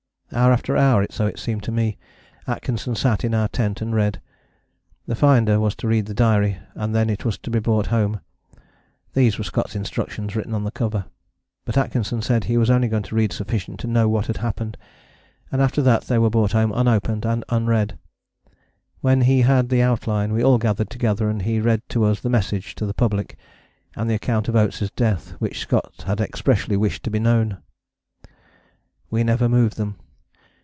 Hour after hour, so it seemed to me, Atkinson sat in our tent and read. The finder was to read the diary and then it was to be brought home these were Scott's instructions written on the cover. But Atkinson said he was only going to read sufficient to know what had happened and after that they were brought home unopened and unread. When he had the outline we all gathered together and he read to us the Message to the Public, and the account of Oates' death, which Scott had expressly wished to be known. We never moved them.